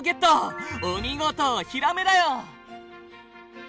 お見事ヒラメだよ。